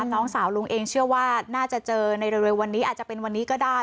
น้องสาวลุงเองเชื่อว่าน่าจะเจอในเร็ววันนี้อาจจะเป็นวันนี้ก็ได้